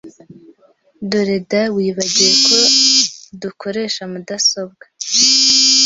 Dore da Wibagiwe ko dukoresha mudasobwa